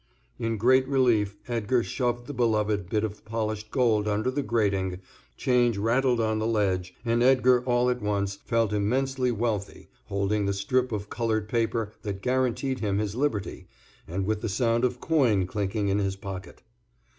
In great relief Edgar shoved the beloved bit of polished gold under the grating, change rattled on the ledge, and Edgar all at once felt immensely wealthy holding the strip of colored paper that guaranteed him his liberty, and with the sound of coin clinking in his pocket.